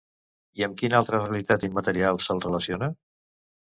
I amb quina altra realitat immaterial se'l relaciona?